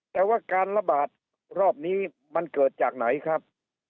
แต่ว่าการระบาดรอบนี้มันเกิดจากไหนครับ